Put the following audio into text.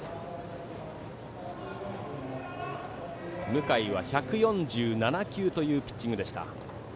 向井は１４７球というピッチング。